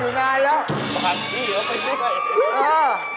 เออ